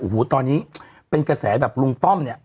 โอ้โหตอนนี้เป็นกระแสแบบลุงป้อมเนี่ย